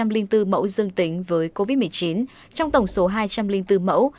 linh tư mẫu dương tính với covid một mươi chín trong tổng số hai trăm linh bốn mẫu